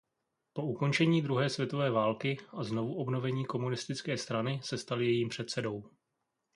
Po ukončení druhé světové války a znovuobnovení komunistické strany se stal jejím předsedou.